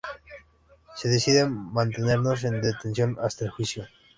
Se decide mantenerlos en detención hasta el juicio.